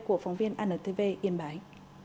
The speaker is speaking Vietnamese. của phóng viên antv yên bái